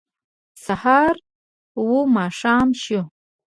سهار و ماښام شو